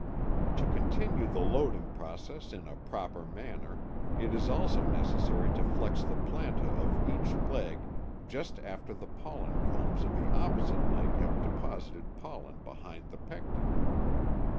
To continue the loading process in a proper manner, it is also necessary to flex the planta of each leg just after the pollen combs of the opposite leg have deposited pollen behind the pecten.